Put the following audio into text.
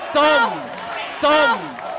ซ้มซ้มซ้ม